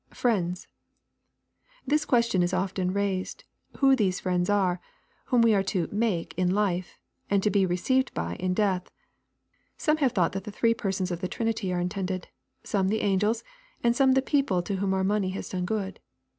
[Friends!\ This question is often raised, who these friends are, whom we are to " make" in life, and to be " received by" in death. Some have thought the Three persons of the Trinity are intended, — some the angels, — ^and some the people to whom our money has done good.